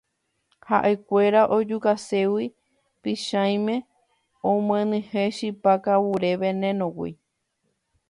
Ha'ekuéra ojukaségui Pychãime omyenyhẽ chipa kavure veneno-gui